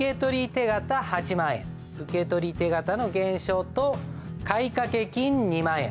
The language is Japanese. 手形８万円受取手形の減少と買掛金２万円。